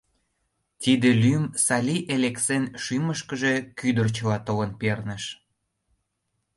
Тиде лӱм Сали Элексен шӱмышкыжӧ кӱдырчыла толын перныш.